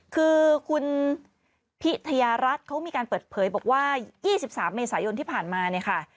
คือคุณพิทยารัฐเขามีการเปิดเผยบอกว่า๒๓เมษายนที่ผ่านมาเนี่ยค่ะ